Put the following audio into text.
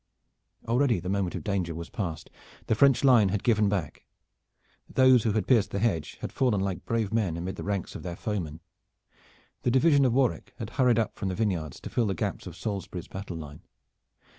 Already the moment of danger was passed. The French line had given back. Those who had pierced the hedge had fallen like brave men amid the ranks of their foemen. The division of Warwick had hurried up from the vineyards to fill the gaps of Salisbury's battle line.